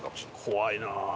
怖いな。